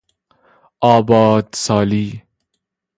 آباد سالی